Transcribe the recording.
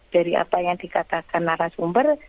dari apa yang dikatakan narasumber